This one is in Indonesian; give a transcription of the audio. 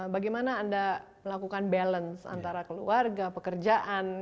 bagaimana anda melakukan balance antara keluarga pekerjaan